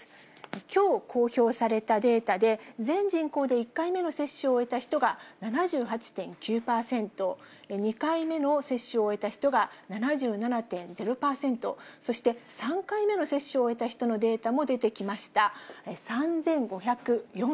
きょう公表されたデータで、全人口で１回目の接種を終えた人が７８．９％、２回目の接種を終えた人が７７．０％、そして３回目の接種を終えた人のデータも出てきました。